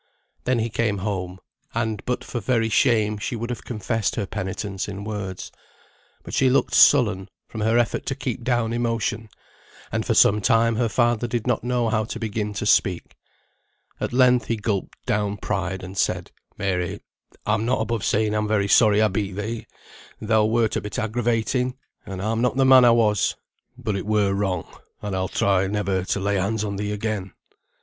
Then he came home; and but for very shame she would have confessed her penitence in words. But she looked sullen, from her effort to keep down emotion; and for some time her father did not know how to begin to speak. At length he gulped down pride, and said: "Mary, I'm not above saying I'm very sorry I beat thee. Thou wert a bit aggravating, and I'm not the man I was. But it were wrong, and I'll try never to lay hands on thee again."